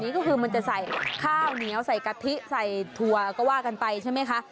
ก็คือมันจะใส่ข้าวเหนียวใส่กะทิใส่ถั่วก็ว่ากันไปใช่ไหมคะ